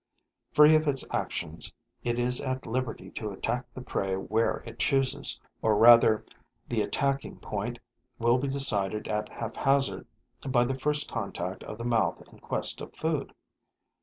Free of its actions, it is at liberty to attack the prey where it chooses; or rather the attacking point will be decided at haphazard by the first contact of the mouth in quest of food.